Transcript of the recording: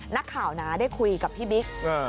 นักข่าวนะได้คุยกับพี่บิ๊ก